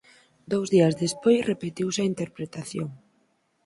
Dous días despois repetiuse a interpretación.